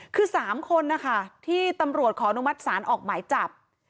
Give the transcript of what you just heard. คือ๓คนนะคะที่ตำรวจขออนุมัติศาลออกหมายจับ